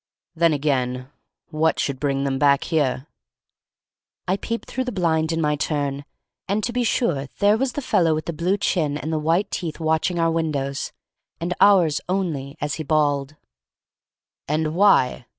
Then again, what should bring them back here?" I peeped through the blind in my turn; and, to be sure, there was the fellow with the blue chin and the white teeth watching our windows, and ours only, as he bawled. "And why?"